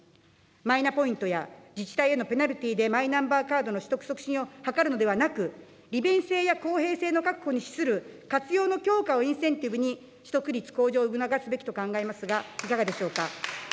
マイナポイントや自治体へのペナルティーでマイナンバーカードの取得促進を図るのではなく、利便性や公平性の確保に資する活用の強化をインセンティブに取得率向上を促すべきと考えますが、いかがでしょうか。